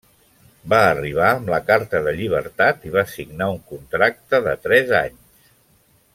Va arribar amb la carta de llibertat i va signar un contracte de tres anys.